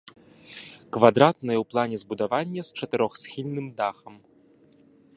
Квадратнае ў плане збудаванне з чатырохсхільным дахам.